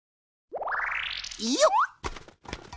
よっ！